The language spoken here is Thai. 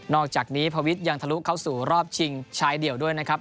อกจากนี้พวิทย์ยังทะลุเข้าสู่รอบชิงชายเดี่ยวด้วยนะครับ